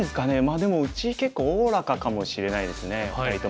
でもうち結構おおらかかもしれないですね２人とも。